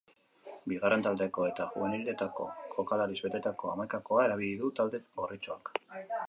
Bigarren taldeko eta jubeniletako jokalariz betetako hamaikakoa erabili du talde gorritxoak.